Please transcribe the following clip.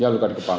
ya luka di kepala